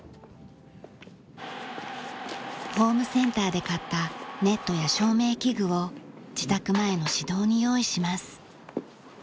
ホームセンターで買ったネットや照明器具を自宅前の私道に用意します。